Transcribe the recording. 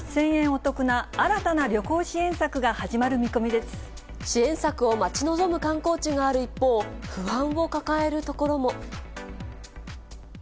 お得な新たな旅行支援策が始まる見支援策を待ち望む観光地がある一方、不安を抱える所も。